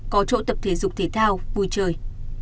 có chỗ tập thể dục thể thao vui chơi